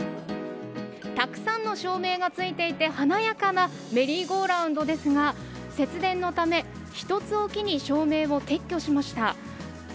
たくさんの照明がついていて華やかなメリーゴーラウンドですが節電のため１つおきに照明を撤去しました。